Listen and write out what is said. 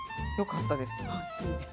よかったです。